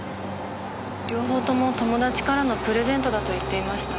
両方とも友達からのプレゼントだと言っていました。